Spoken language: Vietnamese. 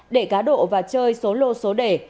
để cá độ và chơi số lô số đề